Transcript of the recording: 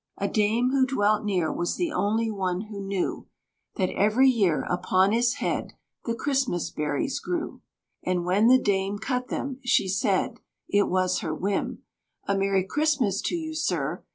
A Dame who dwelt near was the only one who knew That every year upon his head the Christmas berries grew; And when the Dame cut them, she said it was her whim "A merry Christmas to you, Sir!"